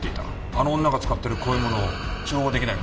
あの女が使ってるこういうものを照合出来ないか？